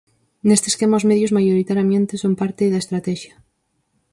Neste esquema, os medios, maioritariamente, son parte da estratexia.